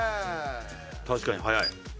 確かに早い。